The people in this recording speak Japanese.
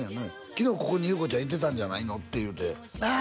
昨日ここに裕子ちゃんいてたんじゃないの？って言うてああ